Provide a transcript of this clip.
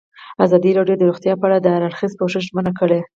ازادي راډیو د روغتیا په اړه د هر اړخیز پوښښ ژمنه کړې.